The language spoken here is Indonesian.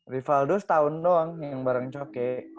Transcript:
rivaldo setahun doang yang bareng coke